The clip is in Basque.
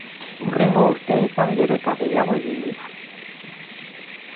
Hurrengo urteetan gero eta gehiago egin dira.